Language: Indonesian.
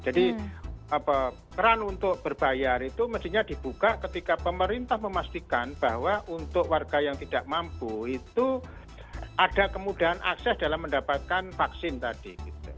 jadi peran untuk berbayar itu mestinya dibuka ketika pemerintah memastikan bahwa untuk warga yang tidak mampu itu ada kemudahan akses dalam mendapatkan vaksin tadi